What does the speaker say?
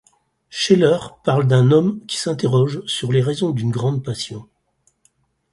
Sheller parle d'un homme qui s'interroge sur les raisons d'une grande passion.